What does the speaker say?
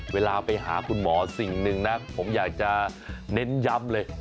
เวลาไปหาคุณหมอสิ่งหนึ่งนะผมอยากจะเน้นย้ำเลย